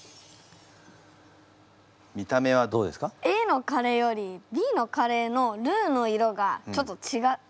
ＡのカレーよりＢのカレーのルーの色がちょっとちがう。